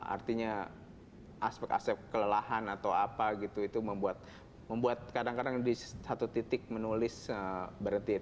artinya aspek aspek kelelahan atau apa gitu itu membuat kadang kadang di satu titik menulis berhenti